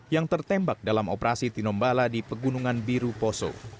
yang tertembak dalam operasi tinombala di pegunungan biru poso